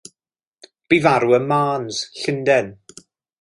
Bu farw ym Marnes, Llundain.